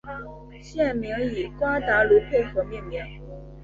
县名以瓜达卢佩河命名。